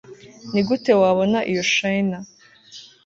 nigute wabona iyo shiner